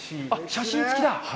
写真つきだ。